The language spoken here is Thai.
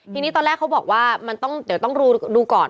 ทีนี้ตอนแรกเขาบอกว่ามันเดะต้องดูก่อน